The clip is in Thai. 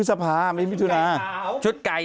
เอามาเช็คได้